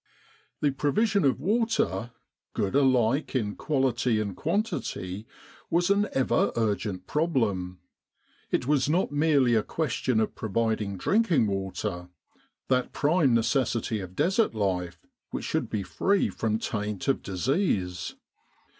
The provision of water, good alike in quality and quantity, was an ever urgent problem. It was not merely a question of providing drinking water that prime necessity of Desert life which should be free from taint of disease.